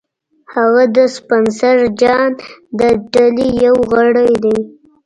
هغه د سپنسر جان د ډلې یو غړی دی